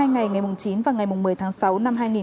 trong hai ngày ngày chín một mươi